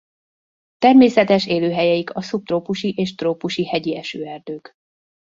Természetes élőhelyeik a szubtrópusi és trópusi hegyi esőerdők.